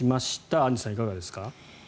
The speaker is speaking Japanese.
アンジュさん、いかがですか。